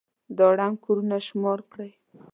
دا ړنـګ كورونه شمار كړئ.